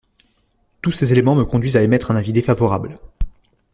Tous ces éléments me conduisent à émettre un avis défavorable.